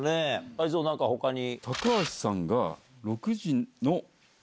泰造何か他に。